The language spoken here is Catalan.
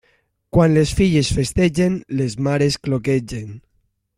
Quan les filles festegen, les mares cloquegen.